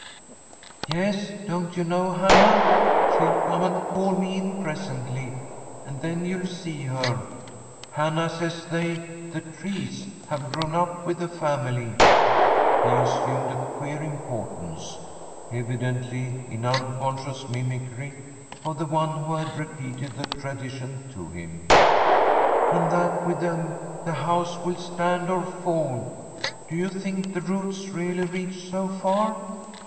'Yes, don't you know Hannah? She'll come and call me in presently, and then you'll see her. Hannah says they the trees have grown up with the family' (he assumed a queer importance, evidently in unconscious mimicry of the one who had repeated the tradition to him), 'and that with them the house will stand or fall. Do you think the roots really reach so far?'